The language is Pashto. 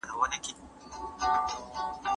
آیا مشوره تر امر ډېره اغېزناکه ده؟